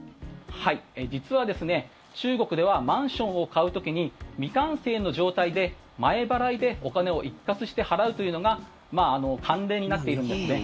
実は中国ではマンションを買う時に未完成の状態で前払いでお金を一括して払うというのが慣例になっているんですね。